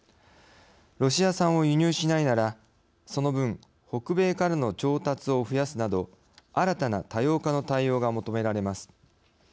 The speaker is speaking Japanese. ロシア産を輸入しないならその分、北米からの調達を増やすなど新たな多様化の対応が求められます。